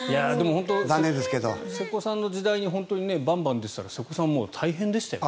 瀬古さんの時代にバンバン出てたら瀬古さんは大変でしたよね。